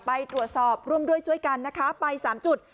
ไปตรวจสอบร่วมด้วยช่วยกันนะคะไป๓จุด